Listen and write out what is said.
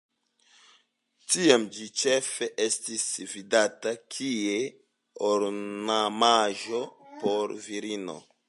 Tiam ĝi ĉefe estis vidata kie ornamaĵo por virinoj.